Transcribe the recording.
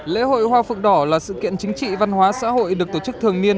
lễ hội hoa phượng đỏ là sự kiện chính trị văn hóa xã hội được tổ chức thường niên